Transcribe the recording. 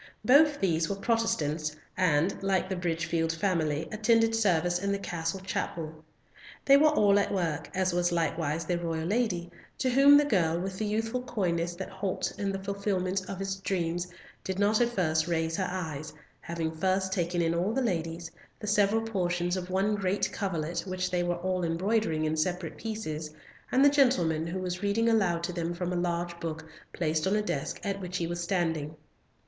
Both these were Protestants, and, like the Bridgefield family, attended service in the castle chapel. They were all at work, as was likewise their royal lady, to whom the girl, with the youthful coyness that halts in the fulfilment of its dreams, did not at first raise her eyes, having first taken in all the ladies, the several portions of one great coverlet which they were all embroidering in separate pieces, and the gentleman who was reading aloud to them from a large book placed on a desk at which he was standing.